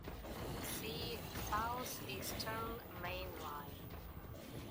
See South Eastern Main Line.